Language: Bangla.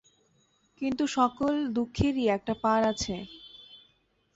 কিন্তু সকল দুঃখেরই একটা পার আছে।